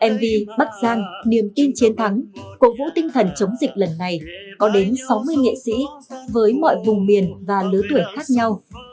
mv bắc giang niềm tin chiến thắng cổ vũ tinh thần chống dịch lần này có đến sáu mươi nghệ sĩ với mọi vùng miền và lứa tuổi khác nhau